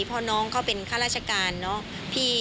เพราะน้องเขาเป็นข้าราชการเนอะ